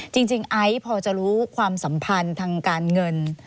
ไอซ์พอจะรู้ความสัมพันธ์ทางการเงิน